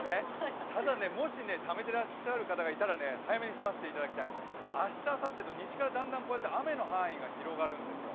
ただ、もしためていらっしゃる方がいたら早めに済ませていただきたい、明日からあさってとだんだん西から雨の範囲が広がるんですよ。